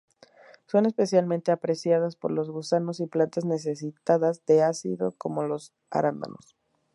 Son especialmente apreciadas por los gusanos y plantas necesitadas de ácido como los arándanos.